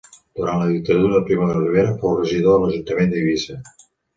Durant la Dictadura de Primo de Rivera fou regidor de l'ajuntament d'Eivissa.